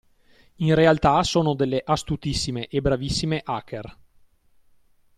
In realtà sono delle astutissime e bravissime hacker.